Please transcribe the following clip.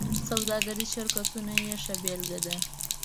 سوداګریز شرکتونه یې ښه بېلګه ده.